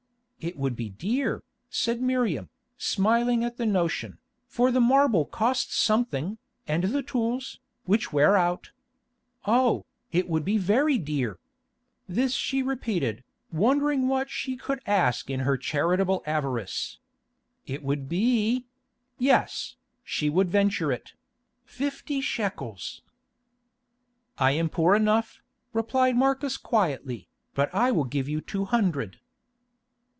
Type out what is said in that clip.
"It would be dear," said Miriam, smiling at the notion, "for the marble costs something, and the tools, which wear out. Oh, it would be very dear!" This she repeated, wondering what she could ask in her charitable avarice. "It would be——" yes, she would venture it—"fifty shekels!" "I am poor enough," replied Marcus quietly, "but I will give you two hundred."